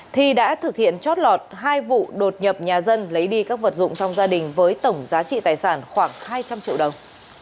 thi đã thực hiện chót lọt hai vụ đột nhập nhà dân lấy đi các vật dụng trong gia đình với tổng giá trị tài sản khoảng hai trăm linh triệu đồng